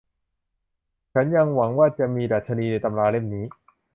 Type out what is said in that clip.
ฉันยังหวังว่าจะมีดัชนีในตำราเล่มนี้